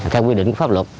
theo quy định pháp luật